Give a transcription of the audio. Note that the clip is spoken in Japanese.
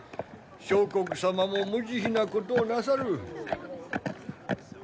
相国様も無慈悲なことをなさる。